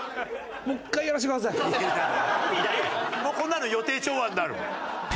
もうこんなの予定調和になるもん。